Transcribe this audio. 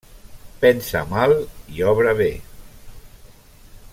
Pensa mal i obra bé.